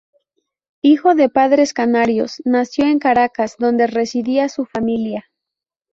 Hijo de padres canarios, nació en Caracas, donde residía su familia.